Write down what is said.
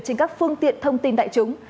trên các phương tiện thông tin đại chúng